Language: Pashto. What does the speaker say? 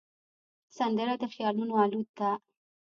سندره د خیالونو الوت ده